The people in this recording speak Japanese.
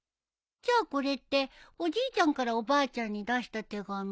じゃあこれっておじいちゃんからおばあちゃんに出した手紙？